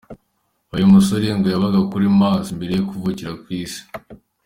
Uyu musore ngo yabaga kuri Mars mbere yo kuvukira ku isi.